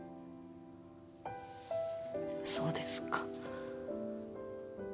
そうですか。